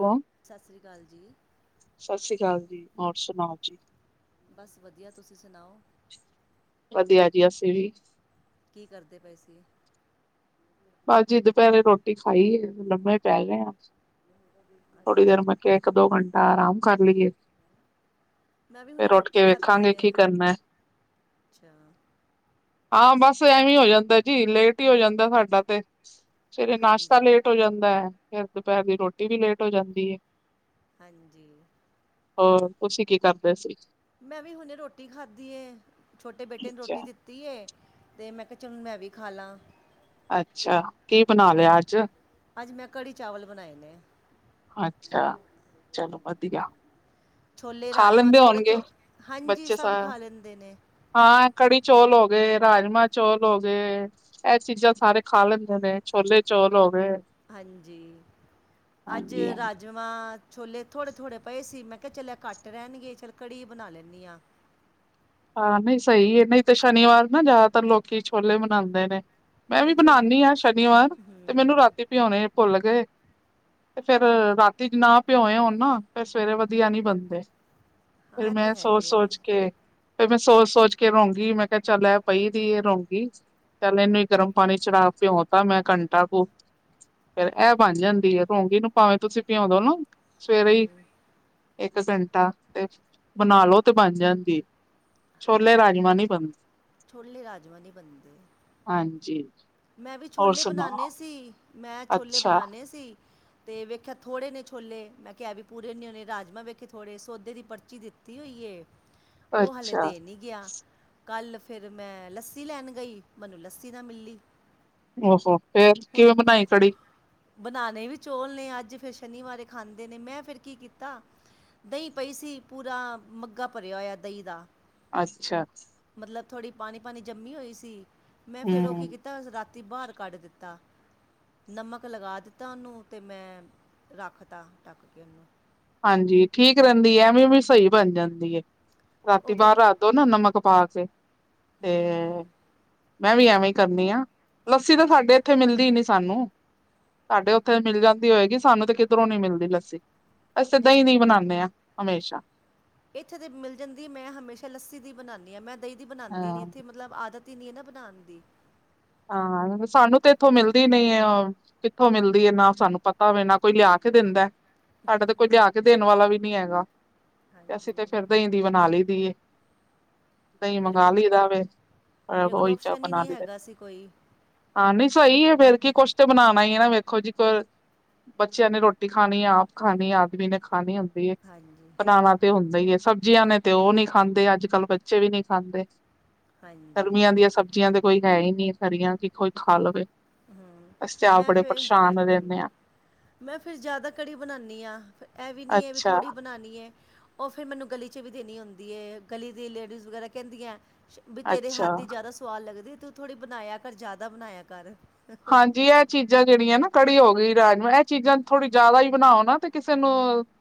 Hello. ਸਤਿ ਸ਼੍ਰੀ ਅਕਾਲ ਜੀ। ਸਤਿ ਸ਼੍ਰੀ ਅਕਾਲ ਜੀ ਹੋਰ ਸੁਣਾਓ ਜੀ। ਬਸ ਵਧੀਆ ਤੁਸੀਂ ਸੁਣਾਓ। ਵਧੀਆ ਜੀ ਅਸੀਂ ਵੀ, ਕੀ ਕਰਦੇ ਪਏ ਸੀ? ਬਸ ਜਿ ਦੁਪਿਹਰੇ ਰੋਟੀ ਖਾਈ ਹੈ ਲੰਮੇ ਪੈ ਗਏ ਆ। ਥੋੜ੍ਹੀ ਦੇਰ ਅੱਛਾ ਮੈਂ ਕਿਹਾ ਇੱਕ ਦੋ ਘੰਟਾ ਆਰਾਮ ਕਰ ਲਈਏ। ਮੈਂ ਵੀ ਹੁਣੇ ਫੇਰ ਉੱਠ ਰੋਟੀ ਕੇ ਖਾਧੀ ਵੇਖਾਂਗੇ ਹੈ ਕੀ ਕਰਨਾ, ਅੱਛਾ ਹਾਂ ਬਸ ਐਵੇਂ ਹੋ ਜਾਂਦਾ ਜੀ ਲੇਟ ਹੀ ਹੋ ਜਾਂਦਾ ਸਾਡਾ ਤੇ। ਫਿਰ ਇਹ ਨਾਸ਼ਤਾ ਹਾਂਜੀ ਲੇਟ ਹੋ ਜਾਂਦਾ ਹੈ, ਫਿਰ ਦੁਪਹਿਰ ਦੀ ਰੋਟੀ ਵੀ ਲੇਟ ਹੋ ਜਾਂਦੀ ਹੈ। ਹਾਂਜੀ। ਹੋਰ ਤੁਸੀਂ ਕੀ ਕਰਦੇ ਸੀ? ਮੈਂ ਵੀ ਹੁਣੇ ਰੋਟੀ ਖਾਧੀ ਏ ਛੋਟੇ ਬੇਟੇ ਨੂੰ ਅੱਛਾ, ਰੋਟੀ ਦਿੱਤੀ, ਤੀ ਏ ਤੇ ਮੈਂ ਕਿਹਾ ਚਲਣ ਮੈਂ ਵੀ ਖਾ ਲਾ। ਅੱਛਾ ਕੀ ਬਣਾ ਲਿਆ ਅੱਜ, ਅੱਜ ਮੈਂ ਕੜੀ ਚਾਵਲ ਬਣਾਏ ਨੇ। ਅੱਛਾ, ਚਲੋ ਵਧੀਆ। ਛੋਲੇ ਖਾ ਰਾਜਮਹ ਲੈਂਦੇ ਥੋੜ੍ਹੇ ਹੋਣਗੇ ਥੋ, ਹਾਂਜੀ ਬੱਚੇ ਸਭ ਸਾਰ ਖਾ ਲੈਂਦੇ ਨੇ। ਹਾਂ ਕੜੀ ਚੌਲ ਹੋ ਗਏ ਰਾਜਮਾਂ ਚੌਲ ਹੋ ਗਏ। ਇਹ ਚੀਜ਼ਾਂ ਸਾਰੇ ਖਾ ਲੈਂਦੇ ਨੇ ਛੋਲੇ ਚੋਲ ਹੋ ਗਏ। ਹਾਂਜੀ, ਅੱਜ ਹਾਂਜੀ ਹਾਂਜੀ। ਰਾਜ ਜਮਾ ਛੋਲੇ ਥੋੜ੍ਹੇ-ਥੋੜ੍ਹੇ ਪਏ ਸੀ ਮੈਂ ਕਿਹਾ ਚੱਲ ਕੱਟ ਰਹਿਣਗੇ ਚੱਲ ਘੜੀ ਬਣਾ ਲੈਣੀ ਆ। ਹਾਂ ਨਹੀਂ ਸਹੀ ਹੈ ਨਹੀ ਤੇ ਸ਼ਨੀਵਾਰ ਨਾ ਜ਼ਿਆਦਾਤਰ ਲੋਕੀ ਛੋਲੇ ਬਣਾਦੇ ਨੇ। ਮੈਂ ਵੀ ਬਣਾਨੀ ਆ ਸ਼ਨੀਵਾਰ, ਤੇ ਮੈਨੂੰ ਹੂੰ ਰਾਤੀ ਪਿਆਉਣੇ ਭੁੱਲ ਗਏ। ਤੇ ਫੇਰ ਰਾਤੀ ਜੇ ਨਾ ਭਿਉਏ ਹੋਣ ਨਾ ਫੇਰ ਸਵੇਰੇ ਵਧੀਆ ਨੀ ਬਣਦੇ। ਹਾਂ ਫਿਰ ਇਹ ਤੇ ਮੈਂ ਹੈ ਹੀ ਹੈ ਸੋਚ-ਸੋਚ ਕੇ, ਫੇਰ ਮੈਂ ਸੋਚ-ਸੋਚ ਕੇ ਰੋਂਗੀ ਮੈਂ ਕਿਹਾ ਚੱਲ ਐ ਪਈ ਦੀ ਇਹ ਰੋਂਗੀ। ਚੱਲ ਇਹਨੇ ਗਰਮ ਪਾਣੀ ਚੜਾ ਕੇ ਭਿਉ ਤਾ ਮੈਂ ਘੰਟਾ ਕੋ, ਫਿਰ ਇਹ ਬਣ ਜਾਂਦੀ ਹੈ ਰੋਂਗੀ ਨੂੰ ਭਾਵੇਂ ਤੁਸੀਂ ਭਿਉ ਦੋ ਨਾ, ਸਵੇਰੇ ਹੀ, ਹੂੰ ਇੱਕ ਘੰਟਾ, ਤੇ ਬਣਾ ਲੋ ਤੇ ਬਣ ਜਾਂਦੀ। ਛੋਲੇ ਰਾਜਮਾਂ ਨੀ ਬਣਦੇ, ਛੋਲੇ ਰਾਜਮਾਂ ਨਹੀਂ ਬਣਦੇ। ਹਾਂਜੀ। ਮੈਂ ਵੀ ਹੋਰ ਛੋਲੇ ਬਣਾਨੇ ਸੁਣਾਓ ਸੀ, ਮੈਂ ਛੋਲੇ ਅੱਛਾ ਬਣਾਨੇ ਸੀ। ਤੇ ਵੇਖਿਆ ਥੋੜ੍ਹੇ ਨੇ ਛੋਲੇ ਮੈਂ ਕਿਹਾ ਏਹ ਵੀ ਪੂਰੇ ਨ ਹੇ ਰਾਜਮਾਂ ਵੇਖੇ ਥੋੜੇ ਸੌਦੇ ਦੀ ਪਰਚੀ ਦਿੱਤੀ ਹੋਈ ਏ। ਉਹ ਹਾਲੇ ਅੱਛਾ ਦੇ ਨੀ, ਗਿਆ ਕੱਲ ਫਿਰ ਮੈਂ ਲੱਸੀ ਲੈਣ ਗਈ ਮੈਨੂੰ ਲੱਸੀ ਨਾ ਮਿਲੀ, ਓ ਹੋ ਫਿਰ ਕਿਵੇਂ ਬਣਾਈ ਨਹੀਂ ਕੜੀ, ਬਣਾਨੇ ਵੀ ਚੋਲ ਨੇ ਅੱਜ ਫਿਰ ਸ਼ਨੀਵਾਰ ਖਾਂਦੇ ਨੇ ਮੈਂ ਫੇਰ ਕੀ ਕੀਤਾ। ਦਹੀਂ ਪਈ ਸੀ ਪੂਰਾ ਮੱਗਾ ਭਰਿਆ ਹੋਇਆ ਦਹੀਂ ਦਾ, ਅੱਛਾ। ਮਤਲਬ ਥੋੜ੍ਹੀ ਪਾਣੀ-ਪਾਣੀ ਜੰਮੀ ਹੋਈ ਸੀ ਮੈਂ ਫੇਰ ਉਹ ਹੂੰ ਕੀ ਕੀਤਾ ਤ ਰਾਤੀ ਬਾਹਰ ਕੱਢ ਦਿੱਤਾ, ਨਮਕ ਲਗਾ ਦਿੱਤਾ ਉਹਨੂੰ ਤੇ ਮੈਂ ਰੱਖ ਤਾ ਟਢੱਕ ਕੇ ਉਹਨੂੰ। ਹਾਂਜੀ ਠੀਕ ਰਹਿੰਦੀ ਹੈ ਐਵੇਂ ਵੀ ਸਹੀ ਬਣ ਜਾਂਦੀ ਹੈ, ਉਹ ਰਾਤੀ ਬਾਹਰ ਥੋੜ੍ਹੀ ਰਾ ਦੋਨਾਂ ਨਮਕ ਪਾ ਕੇ, ਤੇ ਹੂੰ ਮੈਂ ਵੀ ਐਵੇਂ ਈ ਕਰਨੀ ਆਂ, ਲੱਸੀ ਤਾਂ ਸਾਡੇ ਏਥੇ ਮਿਲਦੀ ਨੀ ਸਾਨੂੰ। ਸਾਡੇ ਓਥੇ ਮਿਲ ਜਾਂਦੀ ਹੋਏਗੀ ਸਾਨੂੰ ਤੇ ਕਿਦਰੋਂ ਨੀ ਮਿਲਦੀ ਲੱਸੀ। ਅਸੀਂ ਤਾਂ ਨਹੀਂ ਦਈਂ ਦੀ ਬਨਾਨੇ ਆਂ ਹਮੇਸ਼ਾ। ਏਥੇ ਤੇ ਮਿਲ ਜਾਂਦੀ ਐ ਮੈਂ ਹਮੇਸ਼ਾ ਲੱਸੀ ਦੀ ਬਨਾਨੀ ਆਂ ਮੈਂ ਦਈਂ ਦੀ ਬਨਾਂਦੀ ਨੀ ਏਥੇ ਮਤਲਬ ਆਦਤ ਤੀ ਨਈਂ ਐ ਬਨਾਨ ਦੀ। ਹਾਂ, ਹੁਨ ਸਾਨੂੰ ਤੇ ਏਥੋਂ ਮਿਲਦੀ ਨਈਂ ਐ ਓ। ਕਿੱਥੋਂ ਮਿਲਦੀ ਐ ਨਾ ਸਾਨੂੰ ਪਤਾ ਹੋਵੇ ਨਾ ਕੋਈ ਲਿਆ ਕੇ ਦਿੰਦਾ। ਸਾਡੇ ਤੇ ਕੋਈ ਲਿਆ ਕੇ ਦੇਨ ਵਾਲਾ ਵੀ ਨਈ ਹੈਗਾ। ਤੇ ਅਸੀਂ ਹਾਂਜੀ ਤੇ ਫਿਰ ਦਈਂ ਦੀ ਬਨਾ ਲਈਦੀ ਏ। ਦਈਂ ਮੇਰੇ ਮੰਗਾ ਕੋਲ ਲਈਦਾ ਵੇ, ਮੇਰੇ ਕੋਲ ਓਈ ਚਾ ਆਪਸ਼ਨ ਹੀ ਬਨਾ ਨਹੀਂ ਲਈਦਾ। ਹੈਗਾ ਸੀ ਕੋਈ ਹਾਂ ਨਈਂ ਸਈ ਐ ਫੇਰ ਕੀ ਕੁੱਛ ਤੇ ਬਨਾਨਾ ਈ ਏ ਨਾ ਵੇਖੋ ਜੀ ਕੋ ਬੱਚੇਆਂ ਨੇ ਰੋਟੀ ਖਾਨੀ ਐ ਆਪ ਖਾਨੀ ਆਦਮੀ ਨੇ ਖਾਨੀ ਹੁੰਦੀ ਏ। ਹਾਂਜੀ। ਬਨਾਨਾ ਤੇ ਹੁੰਦਾ ਈ ਐ ਸਬਜ਼ੀਆਂ ਨੇ ਤੇ ਓ ਨੀ ਖਾਂਦੇ ਅੱਜ-ਕੱਲ ਬੱਚੇ ਵੀ ਨੀ ਖਾਂਦੇ। ਹਾਂਜੀ ਗਰਮੀਆਂ ਦੀਆਂ ਸਬਜ਼ੀਆਂ ਤੇ ਕੋਈ ਹੈ ਈ ਨੀ ਹਰੀਆਂ ਕੀ ਕੋਈ ਖਾ ਲਵੇ। ਹੂੰ, ਅਸੀਂ ਤੇ ਆਪ ਮੈਂ ਬੜੇ ਫੇਰ ਪਰੇਸ਼ਾਨ ਹਾਂਜੀ ਰਹਿੰਦੇ ਹਾਂ ਮੈਂ ਫਿਰ ਜਾਦਾ ਕੜੀ ਬਨਾਨੀ ਆਂ, ਫਿਰ ਐ ਵੀ ਨਈਂ ਐ ਵੀ ਅੱਛਾ ਥੋੜ੍ਹੀ ਬਨਾਨੀ ਐ। ਓ ਫਿਰ ਮੈਨੂੰ ਗਲੀ ਚ ਵੀ ਦੇਨੀ ਹੁੰਦੀ ਐ ਗਲੀ ਦੀ ਲੇਡੀਜ਼ ਵਗੈਰਾ ਕੈਂਦੀਆਂ ਵੀ ਤੇਰੇ ਅੱਛਾ ਹੱਥ ਦੀ ਜਾਦਾ ਸਵਾਦ ਲੱਗਦੀ ਐ ਤੂੰ ਥੋੜੀ ਬਨਾਏਆ ਕਰ ਜਾਦਾ ਬਨਾਏਆ ਕਰ। ਹਾਂਜੀ ਐ ਚੀਜ਼ਾਂ ਜੇੜੀਆਂ ਨਾ ਕੜੀ ਹੋ ਗਈ ਰਾਜਮਾਂ ਐ ਚੀਜ਼ਾਂ ਥੋੜੀ ਜਾਦਾ ਈ ਬਨਾਓ ਨਾ ਤੇ ਕਿਸੇ ਨੂੰ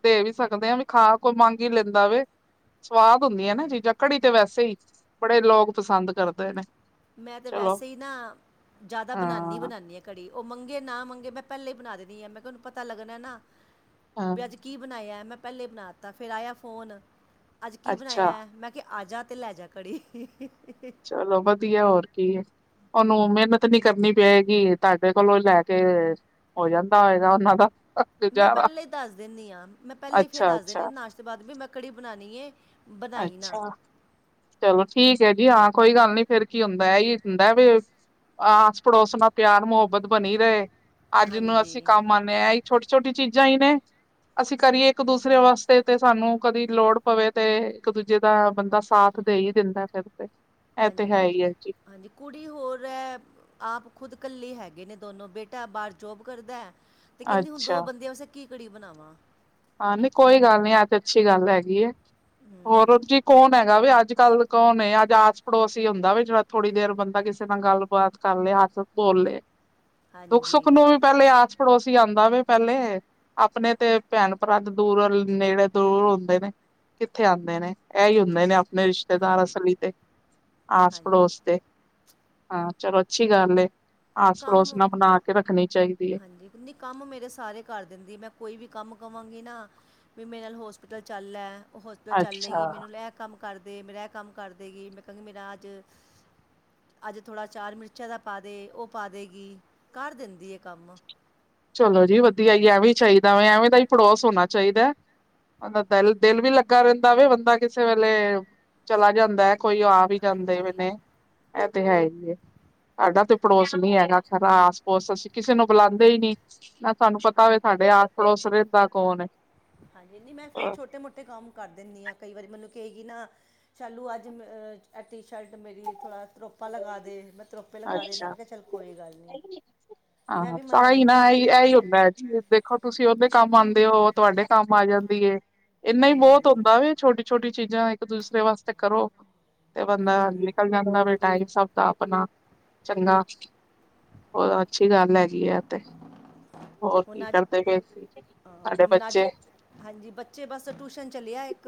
ਦੇ ਵੀ ਸਕਦੇ ਆਂ ਵੀ ਖਾ ਕੋਈ ਮੰਗ ਈ ਲੈਂਦਾ ਵੇ। ਸਵਾਦ ਹੁੰਦੀਆਂ ਨਾ ਚੀਜ਼ਾਂ ਕੜੀ ਤੇ ਵੈਸੇ ਈ ਬੜੇ ਲੋਕ ਪਸੰਦ ਕਰਦੇ ਨੇ। ਮੈਂ ਤਾਂ ਚਲੋ ਵੈਸੇ ਈ ਨਾ, ਜਾਦਾ ਬਨਾਨੀ ਈ ਹਾਂ ਬਨਾਨੀ ਆਂ ਕੜੀ। ਓ ਮੰਗੇ ਨਾ ਮੰਗੇ ਮੈਂ ਪੈਲੇ ਈ ਬਨਾ ਦਿੰਨੀ ਆਂ ਮੈਂ ਕੇਆ ਓਨੂੰ ਪਤਾ ਲੱਗਨਾ ਨਾ, ਹਾਂ ਵੀ ਅੱਜ ਕੀ ਬਨਾਏਆ ਮੈਂ ਪੈਲੇ ਬਨਾਤਾ ਫੇਰ ਆਏਆ ਫੋਨ, ਅੱਜ ਕੀ ਅੱਛਾ ਬਨਾਏਆ ਮੈਂ ਕਿਆ ਆਜਾ ਤੇ ਲੈਜਾ। ਕੜੀ ਚਲੋ ਵਦੀਆ ਹੋਰ ਕੀ ਏ। ਓਨੂੰ ਮਿਹਨਤ ਨੀ ਕਰਨੀ ਪਏਗੀ ਤੁਆਡੇ ਕੋਲੋਂ ਲੈ ਕੇ ਹੋ ਜਾਂਦਾ। ਪਾਏਦਾਨ ਮੈਂ ਪੈਲੇ ਈ ਦੱਸ ਦਿੰਨੀ ਆਂ ਮੈਂ ਪੈਲੇ ਈ ਫੇਰ ਅੱਛਾ ਦੱਸ ਦਿੰਨੀ ਆਂ ਅੱਛਾ ਨਾਸ਼ ਤੋਂ ਬਾਦ ਵੀ ਮੈਂ ਕੜੀ ਬਨਾਨੀ ਏ ਬਨਾਈ ਨਾ। ਅੱਛਾ ਚਲੋ ਠੀਕ ਐ ਜੀ ਹਾਂ ਕੋਈ ਗੱਲ ਨੀ ਫੇਰ ਕੀ ਹੁੰਦਾ ਏਈ ਹੁੰਦਾ ਵੇ। ਆਸ ਪੜੋਸ ਨਾਲ ਪਿਆਰ ਮੁਹੱਬਤ ਬਨੀ ਰਏ, ਅੱਜ ਨੂੰ ਅਸੀਂ ਹਾਂਜੀ ਕੰਮ ਆ ਨੇ ਐਈ ਛੋਟੀ-ਛੋਟੀ ਚੀਜ਼ਾਂ ਈ ਨੇ। ਅਸੀਂ ਕਰੀਏ ਇੱਕ ਦੂਸਰੇ ਵਾਸਤੇ ਤੇ ਸਾਨੂੰ ਕਦੀ ਲੋੜ ਪਵੇ ਤੇ ਇੱਕ ਦੂਜੇ ਦਾ ਬੰਦਾ ਸਾਥ ਦੇਈ ਦਿੰਦਾ ਫਿਰ ਤੇ। ਇਹ ਹਾਂਜੀ ਤੇ ਹੈ ਕੁ, ਹੀ ਹੈ ਜੀ ਹਾਂਜੀ ਕੁੜੀ ਹੋਰ ਐ ਆਪ ਖੁਦ ਕੱਲੇ ਈ ਹੈਗੇ ਨੇ ਦੋਨੋਂ ਬੇਟਾ ਬਾਰ ਜੋਬ ਕਰਦਾ। ਤੇ ਕੈਂਦੀ ਹੁਨ ਅੱਛਾ ਦੋ ਬੰਦੇੇਆਂ ਵਾਸਤੇ ਕੀ ਕੜੀ ਬਨਾਵਾਂ। ਹਾਂ ਨਈਂ ਕੋਈ ਗੱਲ ਨੀ ਐ ਤੇ ਅੱਛੀ ਗੱਲ ਹੈਗੀ ਐ। ਹੋਰ-ਹੋਰ ਹੂੰ ਜੀ ਕੌਨ ਹੈਗਾ ਵੇ ਅੱਜ-ਕੱਲ ਕੌਨ ਅੱਜ ਆਸ ਪੜੋਸ ਈ ਹੁੰਦਾ ਵੇ ਜੇੜਾ ਥੋੜੀ ਦੇਰ ਬੰਦਾ ਕਿਸੇ ਨਾਲ ਗੱਲਬਾਤ ਕਰ ਲੇ ਹੱਸ ਬੋਲ ਲੇ। ਦੁੱਖ ਹਾਂਜੀ ਸੁੱਖ ਨੂੰ ਵੀ ਪੈਲੇ ਆਸ ਪੜੋਸ ਈ ਆਂਦਾ ਵੇ ਪੈਲੇ, ਆਪਨੇ ਤੇ ਭੈਣ- ਭਰਾ ਦੇ ਦੂਰ ਨੇੜੇ ਦੂਰ ਹੁੰਦੇ ਨੇ ਕਿੱਥੇ ਆਉਂਦੇ ਨੇ। ਇ ਹੀ ਹੁੰਦੇ ਨੇ ਆਪਣੇ ਰਿਸ਼ਤੇਦਾਰ ਹਾਂਜੀ ਅਸਲੀ ਤੇ, ਆਸ ਹਾਂਜੀ ਪੜੋਸ ਦੇ। ਹਾਂ ਚਲੋ ਅੱਛੀ ਗੱਲ ਏ, ਆਸ ਪੜੋਸ ਕੰਮ ਨਾਲ ਬਣਾ ਕੇ ਰੱਖਣੀ ਚਾਹੀਦੀ। ਹੈ ਹਾਂਜੀ ਨੀ ਕੰਮ ਮੇਰੇ ਸਾਰੇ ਕਰ ਦਿੰਦੀ ਏ ਮੈਂ ਕੋਈ ਵੀ ਕੰਮ ਕਵਾਂਗੀ ਨਾ। ਵੀ ਮੇਰੇ ਨਾਲ ਹੋਸਪਿਟਲ ਚੱਲ ਲੈ ਓ ਹੋਸਪਿਟਲ ਅੱਛਾ ਚੱਲੇਗੀ ਮੈਨੂੰ ਲੈ- ਕੰਮ ਕਰਦੇ ਮੇਰਾ ਇਹ ਕੰਮ ਕਰਦੇਗੀ ਮੈਂ ਕਹਿੰ ਮੇਰਾ ਅੱਜ- ਅੱਜ ਥੋੜਾ ਅਚਾਰ ਮਿਰਚਾਂ ਦਾ ਪਾ ਦੇ ਉਹ ਪਾ ਦੇਗੀ ਕਰ ਦਿੰਦੀ ਹੈ ਕੰਮ। ਚਲੋ ਜੀ ਵਧੀਆ ਹੀ ਏ ਐਵੇਂ ਚਾਹੀਦਾ ਵੇ ਐਵੇਂ ਦਾ ਹੀ ਪੜੋਸ ਹੋਣਾ ਚਾਹੀਦਾ। ਉ ਪਤਾ ਨੀ ਦਿਲ ਵੀ ਲੱਗਾ ਰਹਿੰਦਾ ਵੇ ਬੰਦਾ ਕਿਸੇ ਵੇਲੇ, ਚਲਾ ਜਾਂਦਾ ਹੈ ਕੋਈ ਆ। ਵੀ ਜਾਂਦੇ ਹਾਂਜੀ ਵੀ ਨੇ, ਇਹ ਤੇ ਹੈ ਹੀ ਏ। ਸਾਡਾ ਤੇ ਪੜੋਸ ਨੀ ਹੈਗਾ ਸਰਾ ਆਸ ਪੋਸ ਅਸੀਂ ਕਿਸੇ ਨੂੰ ਬੁਲਾਉਂਦੇ ਹੀ ਨੀ। ਨਾ ਸਾਨੂੰ ਪਤਾ ਏ ਸਾਡੇ ਆਸ ਪਰੋਸ ਚ ਰਹਿੰਦਾ ਕੌਣ ਏ। ਹਾਂਜੀ ਨਈ ਮੈਂ ਫੇਰ ਛੋਟੇ ਮੋਟੇ ਕੰਮ ਕਰ ਦਿੰਦੀ ਹਾਂ ਕਈ ਵਾਰੀ ਮੈਨੂੰ ਕੇਈ ਗੀ ਨਾ। ਸਾ਼ਲੂ ਅੱਜ ਹ ਅ ਟੀ ਸ਼ਰਟ ਮਰੀ ਥੋੜਾ ਤਰੋਪਾ ਲਗਾ ਦੇ, ਮ- ਤਰੋਪੇ ਲਗਾ ਦਿੰਦੇ ਹ ਮੇ ਕਿਹਾ ਚੱਲ ਕੋਈ ਗੱਲ। ਨਹੀਂ ਮੈਂ ਹਾਂ-ਹਾਂ ਵੀ ਮਨਾ ਤਾਂ ਹੀ ਨਹੀਂ ਨਾ ਕਰਦੀ ਇਹੀ ਹਾਂ ਇਹੀ ਹੁੰਦਾ ਏ ਜੀ ਦੇ- ਖੋ ਤੁਸੀਂ ਉਹਦੇ ਕੰਮ ਆਉਂਦੇ ਹੋ, ਓ ਤੁਹਾਡੇ ਕੰਮ ਆ ਜਾਂਦੀ ਏ, ਇੰਨਾ ਹੀ ਬੋਤ ਹੂੰ ਹੁੰਦਾ ਵੀ ਛੋਟੀ- ਛੋਟੀ ਚੀਜ਼ਾਂ ਇੱਕ ਦੂਸਰੇ ਵਾਸਤੇ ਕਰੋ, ਤੇ ਬੰਦਾ ਹੂੰ ਨਿਕਲ ਜਾਂਦਾ। ਹੈ ਵੀ ਟਾਈਮ ਸਭ ਦਾ ਆਪਣਾ, ਚੰਗਾ। ਉਹ ਅੱਛੀ ਗੱਲ ਹੈਗੀ ਹੈ, ਏ ਤੇ। ਹੋਰ ਕੀ ਹੁਣ ਅੱਜ ਕਰਦੇ ਪਏ ਸੀ, ਅਹ ਤੁਹਾਡੇ ਹੁਣ ਅੱਜ ਬੱਚੇ? ਹਾਂਜੀ ਬੱਚੇ ਬਸ ਆ ਟਿਊਸ਼ਨ ਚੱਲਿਆ ਇੱਕ।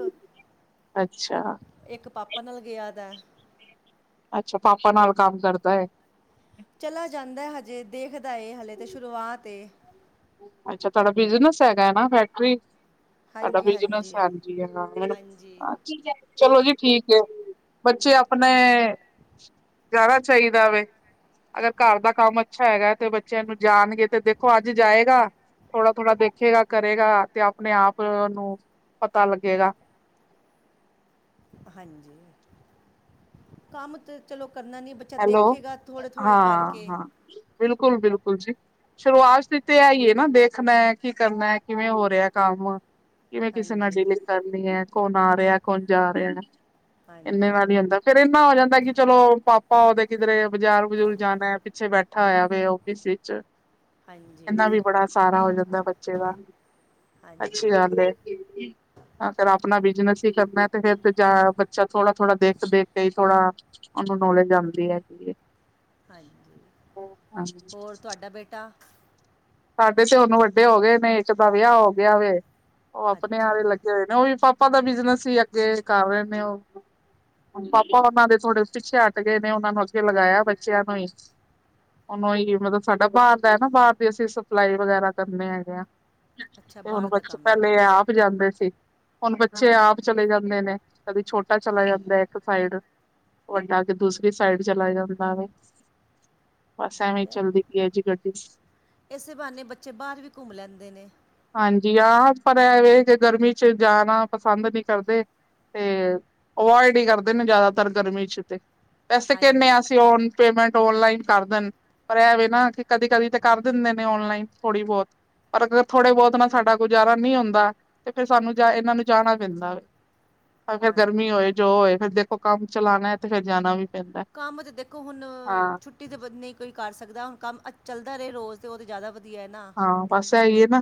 ਅੱਛਾ। ਇੱਕ ਪਾਪਾ ਨਾਲ ਗਿਆ ਦਾ ਏ। ਅੱਛਾ ਪਾਪਾ ਨਾਲ ਕੰਮ ਕਰਦਾ ਹੈ। ਚਲਾ ਜਾਂਦਾ ਏ ਹਜੇ, ਦੇਖਦਾ ਏ ਹਲੇੇ ਤਾਂ ਸ਼ੁਰੂਆਤ ਏ। ਅੱਛਾ ਤੁਹਾੜਾ ਬਿਜਨਸ ਹੈਗਾ ਹੈ ਨਾ ਫੈਕਟਰੀ। ਸਾਡਾ ਬਿਜਨਸ ਹਾਂਜੀ, ਹੈਗਾ। ਹਾਂਜੀ ਚਲੋ ਜੀ ਠੀਕ ਹੈ, ਬੱਚੇ ਆਪਣੇ- ਜਾਣਾ ਚਾਹੀਦਾ ਵੇ, ਅਗਰ ਘਰ ਦਾ ਕੰਮ ਅੱਛਾ ਹੈਗਾ ਤੇ ਬੱਚਿਆਂ ਨੂੰ ਜਾਣਗੇ ਤੇ ਦੇਖੋ ਅੱਜ- ਜਾਏਗਾ ਥੋੜਾ- ਥੋੜਾ ਦੇਖੇਗਾ ਕਰੇਗਾ ਤੇ ਆਪਣੇ ਆਪ ਓਨੂੰ। ਪਤਾ ਲੱਗੇਗਾ। ਹਾਂਜੀ, ਕੰਮ ਤੇ ਚਲੋ ਕਰਨਾ ਨੀ ਬ- ਚਾ ਹੈਲੋ ਦੇਖੇਗਾ ਥੋੜੇ- ਥੋੜੇ ਹਾਂ ਕਰਕੇ। ਹਾਂ ਬਿਲਕੁਲ- ਬਿਲਕੁਲ ਜੀ। ਸ਼ੁਰੂਆਤ ਤੇ ਤੇ ਆਈ ਏ ਨਾ ਦੇਖਣਾ ਏ, ਕੀ ਕਰਨਾ, ਕਿਵੇਂ ਹੋ ਰਿਹਾ ਕੰਮ। ਕਿਵੇਂ ਕਿਸੇ ਨਾਲ ਹਾਂਜੀ ਡੀਲਿੰਗ ਕਰਨੀ ਹੈ ਕੌਣ ਆ ਰਿਹਾ, ਕੌਣ ਜਾ ਰਿਹਾ ਹੈ। ਇੰਨੇ ਹਾਂਜੀ ਨਾਲ ਹੀ ਹੁੰਦਾ ਫੇਰ ਇੰਨਾ ਹੋ ਜਾਂਦਾ ਕਿ ਚਲੋ ਪਾ- ਪਾ ਓਦੇ ਕਿਧਰੇ ਬਾਜ਼ਾਰ ਬਜੂਰ ਜਾਦਾ ਹੈ ਪਿੱਛੇ ਬੈਠਾ ਹੋਇਆ ਵੇ ਓਫਿਸ ਵਿੱਚ। ਹਾਂਜੀ ਇਨਾ ਵੀ ਬੜਾ ਸਹਾਰਾ ਹੋ ਜਾਂਦਾ ਬੱਚੇ ਦਾ। ਅੱਛੀ ਹਾਂਜੀ ਗੱਲ ਹੈ। ਅਗਰ ਆਪਣਾ ਬਿਜਨਸ ਹੀ ਕਰਨਾ ਤੇ ਫੇਰ ਜਾ ਬੱਚਾ ਥੋੜਾ- ਥੋੜਾ ਦੇਖ- ਦੇਖ ਕੇ ਹੀ ਥੋੜਾ- ਉਹਨੂੰ ਨੌਲੇਜ ਆਉਂਦੀ ਹੈਗੀ ਹੈ। ਹਾਂਜੀ, ਹੋਰ ਤੁਹਾਡਾ ਬੇਟਾ? ਸਾਡੇ ਤੇ ਹੁਣ ਵੱਡੇ ਹੋ ਗਏ ਨੇ ਇੱਕ ਦਾ ਵਿਆਹ ਹੋ ਗਿਆ ਵੇ, ਉਹ ਆਪਣੇ ਆ ਅੱਛਾ ਰੇ ਲੱਗੇ ਹੋਏ। ਉਹ ਵੀ ਪਾਪਾ ਦਾ ਬਿਜਨਸ ਹੀ ਅੱਗੇ ਕਰ ਰਹੇ ਨੇ ਉਹ ਪਾਪਾ ਔਨਾਂ ਦੇ ਥੋੜੇ ਪਿੱਛੇ ਹੱਟ ਗਏ ਨੇ ਉਹਨਾਂ ਨੂੰ ਅੱਗੇ ਲਗਾਇਆ ਬੱਚਿਆਂ ਨੂੰ ਈ ਹੁਣ ਓ ਹੀ ਏ ਮਤਲਬ ਸਾਡਾ ਬਾਰ ਦਾ ਐ ਨਾ ਬਾਰ ਦੀ ਅਸੀ ਸਪਲਾਈ ਵਗੈਰਾ ਕਰਨੇ ਹੈਗੇ ਆ। ਅੱਛਾ ਤੇ ਹੁਣ ਬਾਹਰ ਦਾ ਬੱਚ ਕੰਮ ਪਹਿਲੇ ਹੈਗਾ ਇਹ ਆਪ ਜਾਂਦੇ ਸੀ। ਹੁਣ ਬੱਚੇ ਆਪ ਚਲੇ ਜਾਂਦੇ ਨੇ, ਕਦੀ ਛੋਟਾ ਚਲਾ ਜਾਂਦੈ ਇੱਕ ਸਾਈਡ ਵੱਡਾ ਜੇ ਦੂਸਰੀ ਸਾਈਡ ਚਲਾ ਜਾਂਦਾ ਵੇ। [inaudible] ਬਸ ਐਵੇ ਈ ਚਲਦੀ ਪੀ ਐ ਜੀ ਗੱਡੀ। ਏਸੇ ਬਾਨੇ ਬੱਚੇ ਬਾਰ ਵੀ ਘੁੰਮ ਲੈਂਦੇ ਨੇ। ਹਾਂਜੀ। ਨੇ ਹਾਂ ਪਰ ਐਵੇਂ ਜੇ ਗਰਮੀ ਚ ਜਾਣਾ ਪਸੰਦ ਨੀ ਕਰਦੇ। ਤੇ ਅਵੋਇਡ ਈ ਕਰਦੇ ਨੇ ਜਾਦਾਤਰ ਗਰਮੀ ਚ ਤੇ, ਵੈਸੇ ਕਹੰਨੇ ਹਾਂਜੀ ਆ ਅਸੀ ਓਨ ਪੇਮੈਂਟ ਔਨਲਾਈਨ ਕਰ ਦੇਣ, ਪਰ ਐ ਵੇ ਨਾ ਕਿ ਕਦੀ-ਕਦੀ ਤੇ ਕਰ ਦਿੰਦੇ ਨੇ ਔਨਲਾਈਨ ਥੋੜ੍ਹੀ ਬੋਤ ਪਰ ਅਗਰ ਥੋੜ੍ਹੇ ਬਹੁਤ ਨਾਲ ਸਾਡਾ ਗੁਜ਼ਾਰਾ ਨਈ ਹੁੰਦਾ ਤੇ ਫੇਰ ਸਾਨੂੰ ਜਾ ਇਨਾਂ ਨੂੰ ਜਾਣਾ ਪੈਂਦਾ। ਅਗਰ ਹਾਂਜੀ ਗਰਮੀ ਹੋਏ ਜੋ ਹੋਏ ਫੇਰ ਦੇਖੋ ਕੰਮ ਚਲਾਣਾ ਐ ਤੇ ਫੇਰ ਜਾਣਾ ਵੀ ਪੈਂਦਾ ਕੰਮ ਤੇ ਦੇਖੋ ਹੁਣ ਹਾਂ ਛੁੱ ਟੀ ਤੇ ਬੰਦ ਨ‌ਈ ਕੋਈ ਕਰ ਸਕਦਾ, ਹੁਣ ਕੰਮ ਅ ਚੱਲਦਾ ਰਹੇ ਰੋਜ਼ ਤੇ ਉਹ ਤੇ ਜਾਦਾ ਵਧੀਆ ਏ ਨਾ। ਹਾਂ ਬਸ ਐਈ ਏ ਨਾ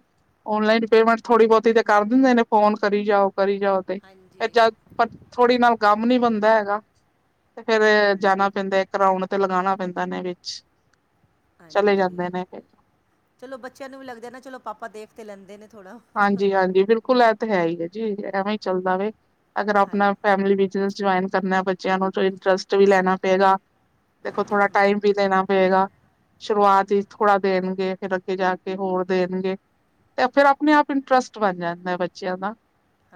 ਔਨਲਾਈਨ ਪੇਮੈਂਟ ਥੋੜੀ ਬਹੁਤੀ ਤੇ ਕਰ ਦਿੰਦੇ ਨੇ ਫੋਨ ਕਰੀ ਜਾਓ- ਕਰੀ ਜਾਓ ਫੇਰ ਏ ਹਾਂਜੀ ਜਦ ਪਰ ਥੋੜ੍ਹੀ ਨਾਲ ਕੰਮ ਨੀ ਬਣਦਾ ਹੈਗਾ। ਤੇ ਫੇਰ ਇਹ ਜਾਣਾ ਪੈਂਦਾ ਏਕ ਰਾਓਡ ਤੇ ਲਗਾਣਾ ਪੈਂਦਾ ਏਨੇ ਵਿੱਚ। ਚਲੇ ਹਾਂਜੀ, ਜਾਂਦੇ ਨੇ ਫਿਰ ਚਲੋ ਬੱਚਿਆਂ ਨੂੰ ਵੀ ਲੱਗਦੈ ਨਾ ਚਲੋ ਪਾਪਾ ਦੇਖ ਤੇ ਲੈਂਦੇ ਨੇ ਥੋੜਾ ਹਾਂਜੀ-ਹਾਂਜੀ ਬਿਲਕੁਲ ਐਹ ਤੇ ਹੈ ਹੀ ਏ ਜੀ, ਐਵੇਂ ਈ ਚੱਲਦਾ ਵੇ ਅਗਰ ਹਾਂਜੀ ਆਪਣਾ ਫੈਮਿਲੀ ਵਿਚ ਜੇ ਜੁਆਇਨ ਕਰਨਾ ਬੱਚਿਆਂ ਨੂੰ ਤੇ ਇੰਟਰਸਟ ਵੀ ਲੈਣਾ ਪਏਗਾ। ਦੇਖੋ ਥੋੜਾ ਟਾਈਮ ਵੀ ਦੇਣਾ ਪਏਗਾ। ਸ਼ੁਰੂਆਤ ਵਿਚ ਥੋੜਾ ਦੇਣਗੇ, ਫੇਰ ਅੱਗੇ ਜਾ ਕੇ ਹੋਰ ਦੇਣਗੇ ਤੇ ਫੇਰ ਆਪ ਆਪਣੇ-ਆਪ ਇੰਟਰਸਟ ਬਣ ਜਾਂਦੈ ਬੱਚਿਆਂ ਦਾ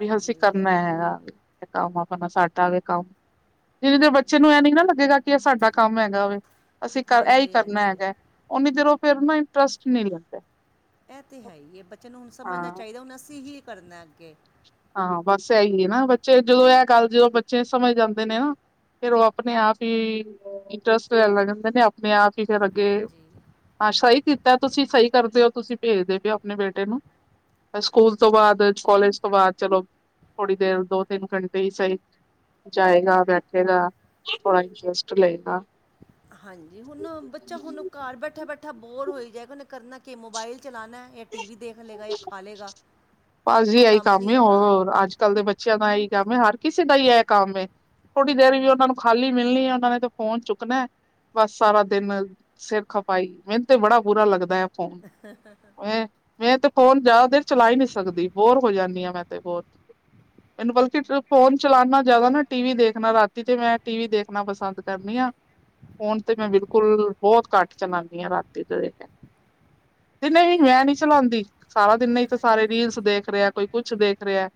ਵੀ ਅਸੀ ਕਰਨੈ ਆ। ਕੰਮ ਆਪਣਾ ਸਾਡਾ ਵੇ ਕੰਮ ਜਿੰਨੀ ਦੇਰ ਬੱਚੇ ਨੂੰ ਐਹ ਨੀ ਨਾ ਲੱਗੇਗਾ ਕੀ ਏ ਸਾਡਾ ਕੰਮ ਹੈਗਾ ਵੇ, ਅਸੀਂ ਕਰ ਐਹੀ ਹਾਂਜੀ ਕਰਨਾ ਹਾਂਜੀ ਹੈਗਾ। ਉਨੀ ਦੇਰ ਉਹ ਫੇਰ ਨਾ ਇੰਟਰਸਟ ਨੀ ਲੇਂਦੇ। ਐਹ ਤੇ ਹੈ ਹੀ ਏ ਬੱਚੇ ਨੂੰ ਹੁਣ ਸਮਝਣਾ ਹਾਂ ਚਾਹੀਦੈ ਹੁਣ ਅਸੀ ਹੀ ਕਰਨੈ ਅੱਗੇ। ਹਾਂ- ਹਾਂ। ਬਸ ਐਹੀ ਏ ਨਾ ਬੱਚੇ ਜਦੋਂ ਐਹ ਗੱਲ ਜੇ ਓਹ ਬੱਚੇ ਸਮਝ ਜਾਂਦੇ ਨੇ ਨਾ ਫਿਰ ਉਹ ਆਪਣੇ-ਆਪ ਹੀ ਇੰਟਰਸਟ ਲੈਣ ਲੱਗ ਜਾਂਦੇ ਨੇ, ਆਪਣੇ-ਆਪ ਹੀ ਫੇਰ ਅੱਗੇ ਹਾਂਜੀ ਹਾਂ ਸ਼ਹੀ ਕੀਤਾ ਤੁਸੀ ਸਹੀ ਕਰਦੇ ਓ ਤੁਸੀ ਪੇਜਦੇ ਪ‌ਏ ਓ ਆਪਣੇ ਬੇਟੇ ਨੂੰ। ਸਕੂਲ ਤੋਂ ਬਾਦ, ਕੋਲਜ ਤੋਂ ਬਾਦ, ਚਲੋ ਥੋੜੀ ਦੇਰ ਦੋ-ਤਿੰਨ ਘੰਟੇ ਹੀ ਸਹੀ ਜਾਏਗਾ ਬੈਠੇਗਾ ਥੋੜਾ ਇੰਟਰਸਟ ਲਏਗਾ। ਹਾਂਜੀ। ਹੁਣ ਬੱਚਾ ਹੁਣ ਘਰ ਬੈਠਾ- ਬੈਠਾ ਬੋਰ ਹੋਈ ਜਾਏਗਾ ਉਨੇ ਕਰਨਾ ਕਿ ਮੋਬਾਇਲ ਚਲਾਨੈ। ਯਾ ਟੀ ਵੀ ਦੇਖ ਲੇਗਾ ਯਾ ਖਾ ਲੇਗਾ। ਬਸ ਜੀ ਏਹੀ ਕੰਮ ਏ, ਹੋਰ ਅੱਜ-ਕੱਲ ਦੇ ਬੱਚਿਆਂ ਦਾ ਇਹੀ ਕੰਮ ਏ ਹਰ ਕਿਸੇ ਦਾ ਹੀ ਐ ਕੰਮ ਏ। ਥੋੜੀ ਦੇਰ ਵੀ ਔਨਾ ਨੂੰ ਖਾਲੀ ਮਿਲਣੀ ਐ ਉਹਨਾ ਨੇ ਤੇ ਫੋਨ ਚੁੱਕਣੈ ਬਸ ਸਾਰਾ ਦਿਨ ਸਿਰ ਖਪਾਈ। ਮੈਨੂੰ ਤੇ ਬੜਾ ਬੁਰਾ ਲੱਗਦੈ। ਫੋਨ ਮੇ ਮੈਂ ਤੇ ਫੋਨ ਜਾਦਾ ਦੇਰ ਚਲਾਈ ਨੀ ਸ ਸਕਦੀ। ਬੋਰ ਹੋ ਜਾਂਦੀ ਆ ਮੈਂ ਤੇ ਹੋਰ। ਮੈਨੂੰ ਬਲਕਿ ਫੋਨ ਚਲਾਣ ਨਾਲ ਜਾਦਾ ਨਾ ਟੀ ਵੀ ਦੇਖਣਾ, ਰਾਤੀ ਤੇ ਮੈਂ ਟੀ ਵੀ ਦੇਖਣਾ ਪਸੰਦ ਕਰਨੀ ਆ ਫੋਨ ਤੇ ਮੈਂ ਬਿਲਕੁਲ ਬਹੁਤ ਘੱਟ- ਚਲਾਣੀ ਆ ਰਾਤੀ ਤੇ, ਦਿਨੇ ਵੀ ਤੇ ਮੈਂ ਨੀ ਚਲਾਦੀ ਸਾਰਾ ਦਿਨ ਨਹੀਂ ਤੇ ਸਾਰੇ ਰੀਲਸ ਹਾਂਜੀ ਦੇਖ ਰਿਹਾ ਕੋਈ ਕੁਛ ਦੇਖ ਰਿਹਾ।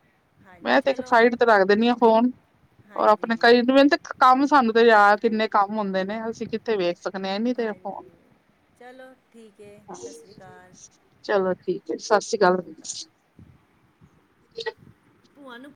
ਹਾਂਜੀ ਮੈਂ ਤੇ ਇੱਕ ਚਲੋ ਸਾਈਡ ਤੇ ਰੱਖ ਦੇਣੀ ਆ ਫੋਨ ਔਰ ਹਾਂਜੀ ਆਪਣੇ ਕਈ ਨੂੰ ਮੈਨੂੰ ਤੇ ਕੰਮ ਸਾਨੰ ਤੇ ਯਾਰ ਕਿੰਨੇ ਕੰਮ ਹੁੰਦੇ ਨੇ, ਅਸੀਂ ਕਿਥ ਕਿਥੇ ਵੇਖ ਸਕਨੇ ਆਂ, ਇਹਨੀ ਦੇਰ ਫੋਨ ਹਾਂਜੀ ਚਲੋ ਠੀਕ ਹੈ ਸਤਿ ਸ਼੍ਰੀ ਅਕਾਲ ਚਲੋ ਠੀਕ ਹੈ ਸਤਿ ਸ੍ਰੀ ਅਕਾਲ ਭੂਆਂ ਨੂੰ